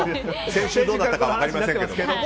先週どうだったか分かりませんけれども。